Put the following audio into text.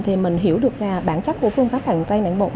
thì mình hiểu được là bản chất của phương pháp bàn tay nặn bột